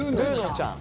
ちゃん。